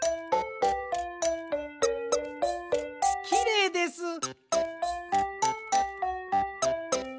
きれいです！